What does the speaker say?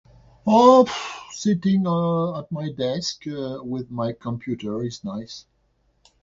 sitting at my desk with my computer is nice.